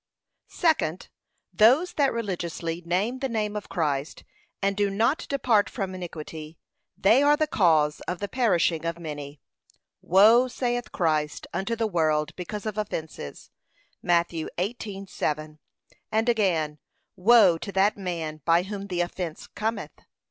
Second, Those that religiously name the name of Christ, and do not depart from iniquity, they are the cause of the perishing of many. 'Woe,' saith Christ, 'unto the world because of offences,' (Matt. 18:7). And again, 'Woe to that man by whom the offence cometh!'